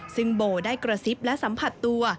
ซึ่งโบได้กระซิบและสัมผัสตัว